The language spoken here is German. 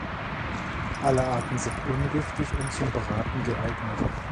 Alle Arten sind ungiftig und zum Braten geeignet.